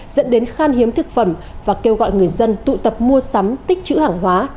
dẫn đến khan hiếm thực phẩm và kêu gọi người dân tụ tập mua sắm tích chữ hàng hóa